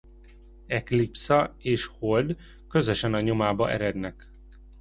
Eclipsa és Hold közösen a nyomába erednek.